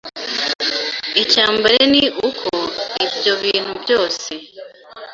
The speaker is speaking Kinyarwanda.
Icya mbere ni uko ibyo bintu byose